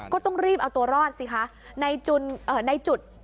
ก็ต้องรีบเอาตัวรอดสิคะนายจุนนายจุด